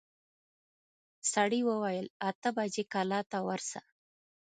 سړي وويل اته بجې کلا ته ورسه.